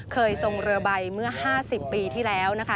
ทรงเรือใบเมื่อ๕๐ปีที่แล้วนะคะ